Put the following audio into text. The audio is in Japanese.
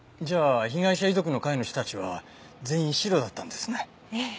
じゃあ被害者遺族の会の人たちは全員シロだったんですね。